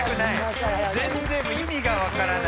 全然意味が分からない。